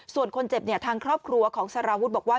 ส่วนคนเจ็บเนี่ยทางครอบครัวของสารวุฒิบอกว่า